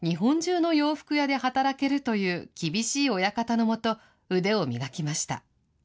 うちで辛抱できたら、日本中の洋服屋で働けるという厳しい親方の下、腕を磨きました。